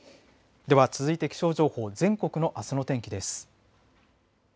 では続いて気象情報全国のあすの天気です。